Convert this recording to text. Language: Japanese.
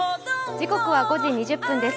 時刻は５時２０分です。